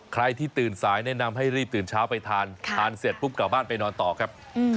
ใครที่ตื่นสายแนะนำให้รีบตื่นเช้าไปทานทานเสร็จปุ๊บกลับบ้านไปนอนต่อครับ